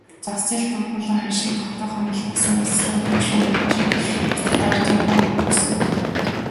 Зах зээлд тулгуурлан ханшийг тогтоох амлалтаасаа няцлаа гэх шүүмжийг Хятадын ардын банк үгүйсгэв.